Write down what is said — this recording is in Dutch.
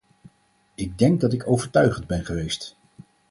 Ik denk dat ik overtuigend ben geweest.